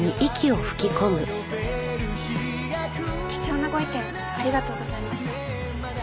貴重なご意見ありがとうございました。